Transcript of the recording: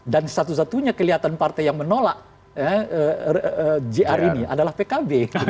dan satu satunya kelihatan partai yang menolak jr ini adalah pkb